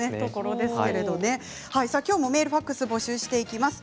メール、ファックス募集していきます。